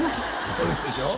おるでしょ